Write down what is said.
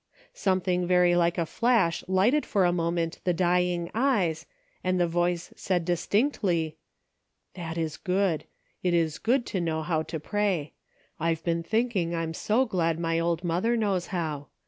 Something very like a flash lighted for a moment the dying eyes, and the voice said distinctly :" That is good ; it is good to know how to pray. I've been thinking I'm so glad my old mother knows how.